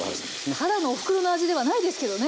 ただのおふくろの味ではないですけどね。